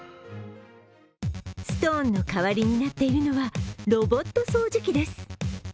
ストーンの代わりになっているのはロボット掃除機です。